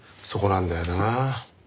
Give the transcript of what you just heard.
そこなんだよな。